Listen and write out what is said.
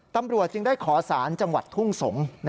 ตำรวจจึงได้ขอสารจังหวัดทุ่งสงศ์